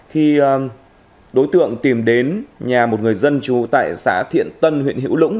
khi đối tượng tìm đến nhà một người dân trú tại xã thiện tân huyện hữu lũng